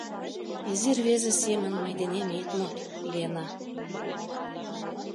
— Изи рвезе семын мый денем ит мод, Лена.